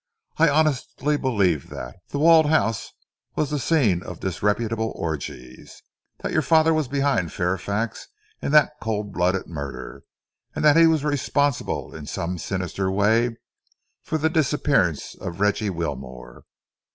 I honestly believed that The Walled House was the scene of disreputable orgies, that your father was behind Fairfax in that cold blooded murder, and that he was responsible in some sinister way for the disappearance of Reggie Wilmore.